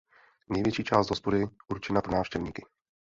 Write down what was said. Největší část hospody určená pro návštěvníky.